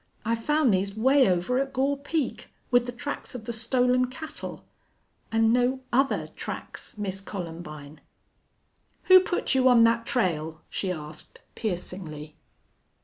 I found these 'way over at Gore Peak, with the tracks of the stolen cattle. An' no other tracks, Miss Columbine!" "Who put you on that trail?" she asked, piercingly.